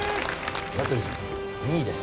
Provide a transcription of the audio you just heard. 名取さん２位です。